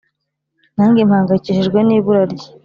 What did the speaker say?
nange mpangayikishijwe nibura rye."